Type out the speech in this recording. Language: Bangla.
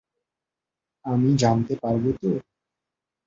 আমি জানতে পারব তো?